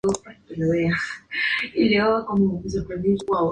De niño McKenzie no se sintió atraído por el atletismo.